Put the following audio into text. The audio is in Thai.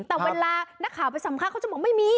แต่เวลานักข่าวไปสัมภาษณ์เขาจะบอกไม่มี